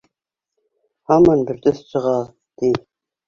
Һаман бер төҫ сыға, ти.